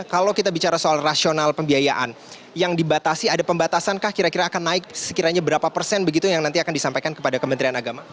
kalau kita bicara soal rasional pembiayaan yang dibatasi ada pembatasan kah kira kira akan naik sekiranya berapa persen begitu yang nanti akan disampaikan kepada kementerian agama